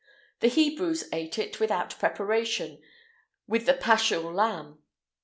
The Hebrews ate it, without preparation, with the Paschal lamb.